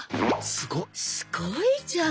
すごいじゃん！